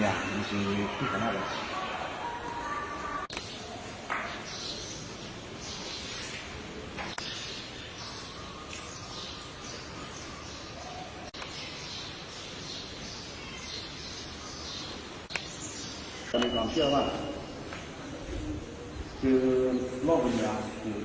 แล้วกรรมการของมูกฑูถึงคือฤทธิโปรเวณหรือสมัครโปรแรมิการ